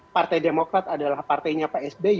partai demokrat adalah partainya psb